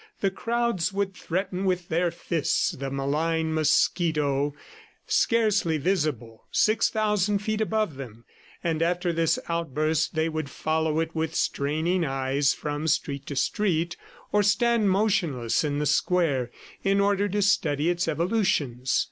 The crowds would threaten with their fists the malign mosquito, scarcely visible 6,000 feet above them, and after this outburst, they would follow it with straining eyes from street to street, or stand motionless in the square in order to study its evolutions.